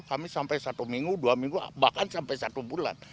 kami sampai satu minggu dua minggu bahkan sampai satu bulan